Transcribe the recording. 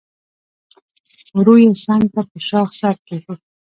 ورو يې څنګ ته په شاخ سر کېښود.